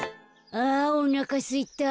あおなかすいた。